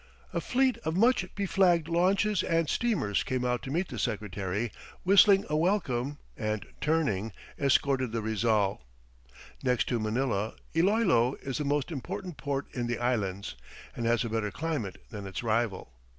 A fleet of much beflagged launches and steamers came out to meet the Secretary, whistling a welcome, and turning, escorted the Rizal. Next to Manila, Iloilo is the most important port in the Islands, and has a better climate than its rival.